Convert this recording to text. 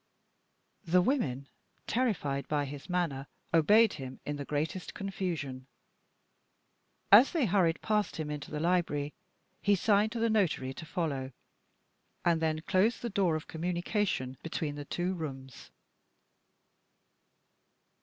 The women, terrified by his manner, obeyed him in the greatest confusion. As they hurried past him into the library, he signed to the notary to follow; and then closed the door of communication between the two rooms.